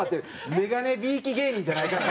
『メガネびいき』芸人じゃないから。